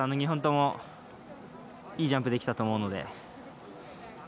２本とも、いいジャンプができたと思うので。